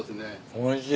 おいしい。